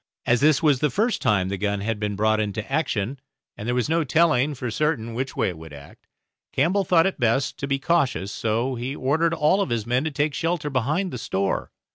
As this was the first time the gun had been brought into action, and there was no telling for certain which way it would act, Campbell thought it best to be cautious; so he ordered all his men to take shelter behind the store.